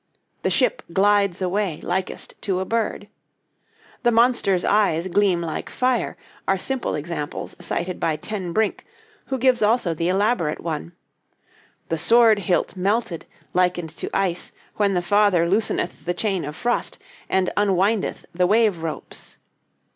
"The ship glides away likest to a bird," "The monster's eyes gleam like fire," are simple examples cited by Ten Brink, who gives also the elaborate one, "The sword hilt melted, likened to ice, when the Father looseneth the chain of frost, and unwindeth the wave ropes."